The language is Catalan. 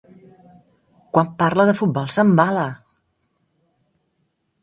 Quan parla de futbol s'embala!